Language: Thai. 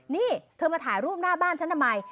นี่เธอมาถ่ายรูปหน้าบ้านฉันทำไม